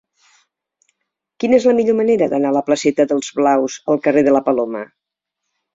Quina és la millor manera d'anar de la placeta d'Els Blaus al carrer de la Paloma?